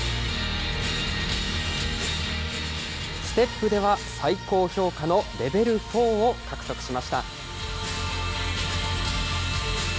ステップでは最高評価のレベルフォーを獲得しました。